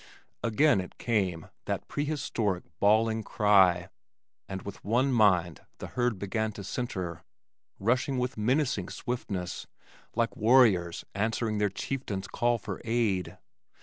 Again it came, that prehistoric bawling cry, and with one mind the herd began to center, rushing with menacing swiftness, like warriors answering their chieftain's call for aid.